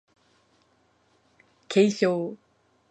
検証